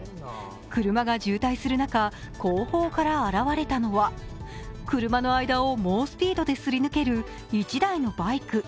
車が渋滞する中、後方から現れたのは車の間を猛スピードですり抜ける１台のバイク。